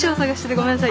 ごめんなさい。